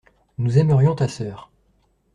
Nous aimerions ta sœur.